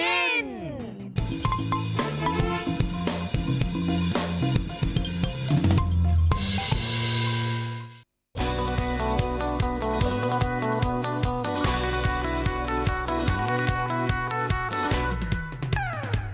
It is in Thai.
สวัสดีครับ